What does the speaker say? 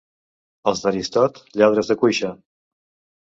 Els d'Aristot, lladres de cuixa.